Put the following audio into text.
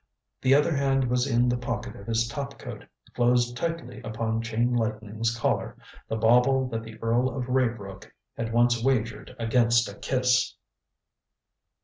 The other hand was in the pocket of his top coat, closed tightly upon Chain Lightning's Collar the bauble that the Earl of Raybrook had once wagered against a kiss.